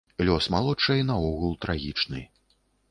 Лёс малодшай наогул трагічны.